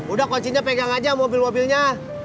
udah kuncinya pegang aja mobil mobilnya